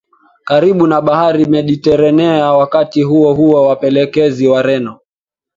karibu na Bahari Mediteranea Wakati huohuo wapelelezi Wareno